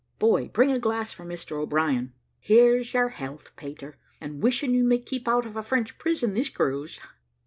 Boy, bring a glass for Mr O'Brien." "Here's your health, Peter, and wishing you may keep out of a French prison this cruise.